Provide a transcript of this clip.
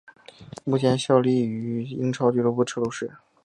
目前效力英超俱乐部车路士。